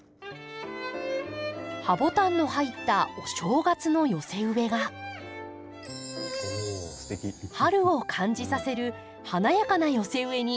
ハボタンの入ったお正月の寄せ植えが春を感じさせる華やかな寄せ植えにリメイクされました。